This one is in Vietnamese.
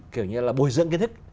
kiểu như là bồi dưỡng kinh thức